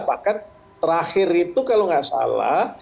bahkan terakhir itu kalau nggak salah